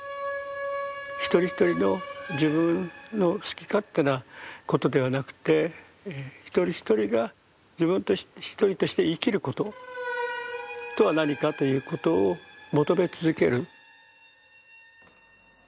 一人一人の自分の好き勝手なことではなくて一人一人が自分一人として生きることとは何かということを求め続ける。